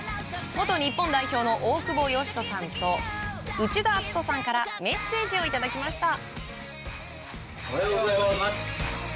元日本代表の大久保嘉人さんと内田篤人さんからメッセージをいただきました。